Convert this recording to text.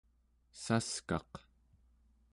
saskaq